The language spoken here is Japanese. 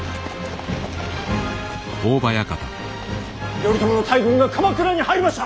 頼朝の大軍が鎌倉に入りました。